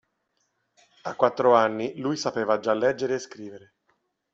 A quattro anni lui sapeva già leggere e scrivere.